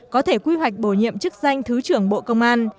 có thể quy hoạch bổ nhiệm chức danh thứ trưởng bộ công an